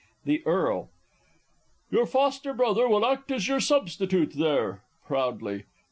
The E. Your foster brother will act as your substitute there. (_Proudly.